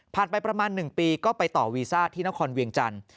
ไปประมาณ๑ปีก็ไปต่อวีซ่าที่นครเวียงจันทร์